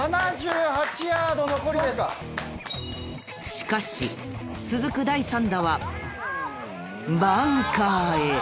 ［しかし続く第３打はバンカーへ］